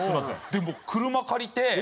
でもう車借りて。